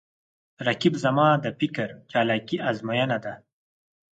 رقیب زما د فکر چالاکي آزموینه ده